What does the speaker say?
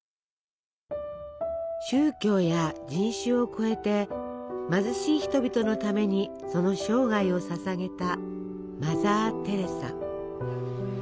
宗教や人種を超えて貧しい人々のためにその生涯をささげたマザー・テレサ。